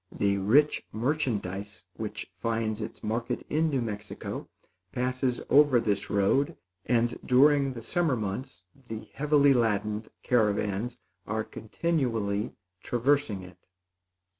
The rich merchandise which finds its market in New Mexico passes over this road; and, during the summer months, the heavily laden caravans are continually traversing it.